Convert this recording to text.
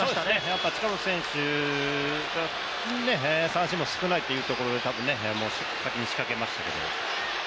やっぱり近本選手、三振も少ないというところで多分、先に仕掛けましたね。